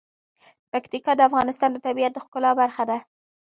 پکتیکا د افغانستان د طبیعت د ښکلا برخه ده.